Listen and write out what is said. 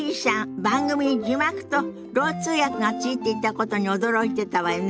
番組に字幕とろう通訳がついていたことに驚いてたわよね。